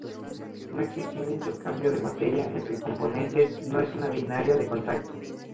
No existiendo intercambio de materia entre componentes, no es una binaria de contacto.